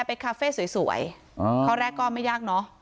คาเฟ่สวยข้อแรกก็ไม่ยากเนอะ